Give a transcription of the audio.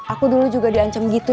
aku dulu juga diancam gitu